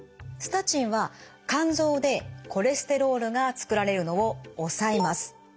スタチンは肝臓でコレステロールが作られるのを抑えます。